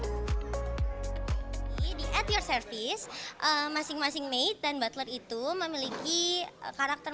di ad your service masing masing made dan butler itu memiliki karakter